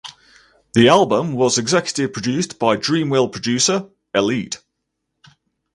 The album was executive produced by Dreamville producer Elite.